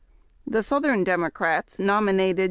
The southern Democrats nominated John C.